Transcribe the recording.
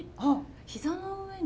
膝の上に。